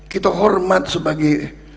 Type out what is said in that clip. kita hormat sebagai